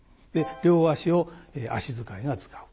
両足を足遣いが遣う。